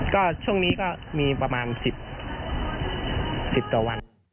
ก็ช่วงนี้ก็มีประมาณ๑๐ต่อวัน